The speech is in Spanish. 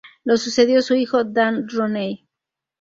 Lo sucedió su hijo Dan Rooney.